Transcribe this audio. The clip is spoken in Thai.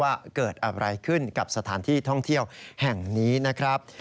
ว่าเกิดอะไรขึ้นกับสถานที่ท่องเที่ยวแห่งนี้นะครับ